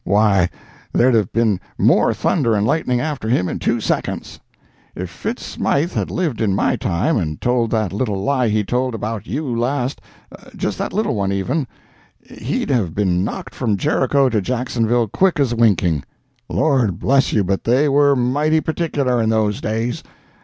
Why there'd have been more thunder and lightning after him in two seconds! If Fitz Smythe had lived in my time and told that little lie he told about you last—just that little one, even—he'd have been knocked from Jericho to Jacksonville quick as winking! Lord bless you but they were mighty particular in those days!